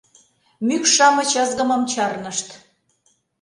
Мӱкш-шамыч ызгымым чарнышт.